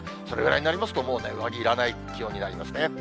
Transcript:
それぐらいになりますと、もう上着いらない気温になりますね。